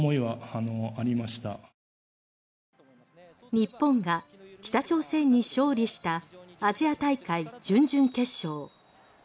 日本が北朝鮮に勝利したアジア大会準々決勝。